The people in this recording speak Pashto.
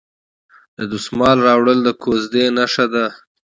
د دسمال راوړل د کوژدې نښه ده.